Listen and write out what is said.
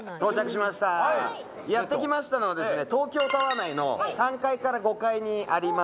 やって来ましたのはですね東京タワー内の３階から５階にあります